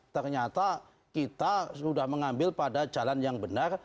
ternyata kita sudah mengambil pada jalan yang benar